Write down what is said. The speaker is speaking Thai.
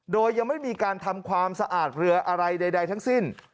โดยยังไม่มีการทำความสะอาดเรืออะไรใดทั้งสิ้น